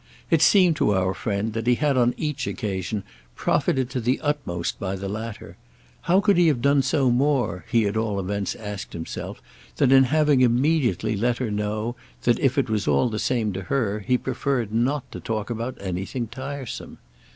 It seemed to our friend that he had on each occasion profited to the utmost by the latter: how could he have done so more, he at all events asked himself, than in having immediately let her know that, if it was all the same to her, he preferred not to talk about anything tiresome?